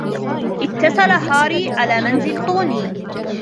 اتصل هاري على منزل طوني.